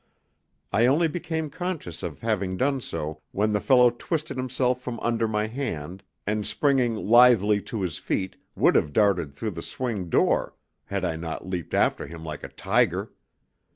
I only became conscious of having done so when the fellow twisted himself from under my hand, and springing lithely to his feet would have darted through the swing door had I not leaped after him like a tiger.